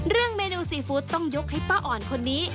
เมนูซีฟู้ดต้องยกให้ป้าอ่อนคนนี้